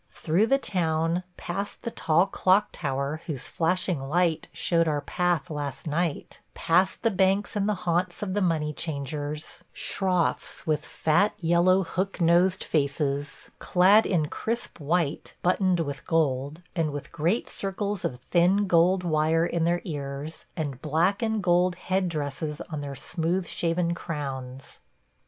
Through the town, past the tall clock tower whose flashing light showed our path last night; past the banks and the haunts of the money changers – "shroffs" with fat, yellow, hook nosed faces, clad in crisp white buttoned with gold, and with great circles of thin gold wire in their ears and black and gold head dresses on their smooth shaven crowns.